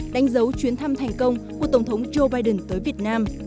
đánh dấu chuyến thăm thành công của tổng thống joe biden tới việt nam